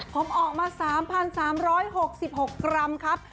ผมออกมา๓๓๖๖กรัมครับ